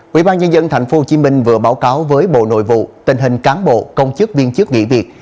quỹ ban nhân dân tp hcm vừa báo cáo với bộ nội vụ tình hình cán bộ công chức viên chức nghỉ việc